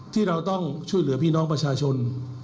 ที่เราต้องช่วยเหลือพี่น้องประชาชน